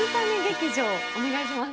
お願いします。